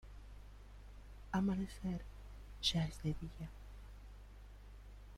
Amanecer: Ya es de día.